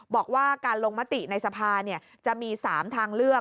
บอกว่าการลงมติในสภาจะมี๓ทางเลือก